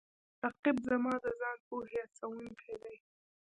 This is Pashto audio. رقیب زما د ځان پوهې هڅوونکی دی